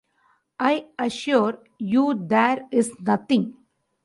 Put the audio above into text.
I assure you there is nothing.